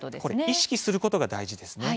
意識することが大事ですね。